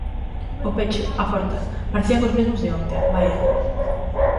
o pecho, a porta, parecían os mesmos de onte, vaia.